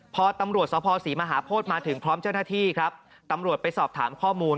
พอตำรวจสภศรีมหาโพธิมาถึงพร้อมเจ้าหน้าที่ครับตำรวจไปสอบถามข้อมูล